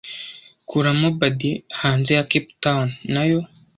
Kuramo baddie hanze ya Cape Town, nayo